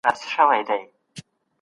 هغه وويل چي غيبت بد کار دی.